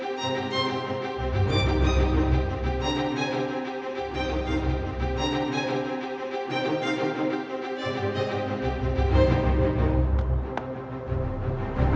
selamat mengalahi kamu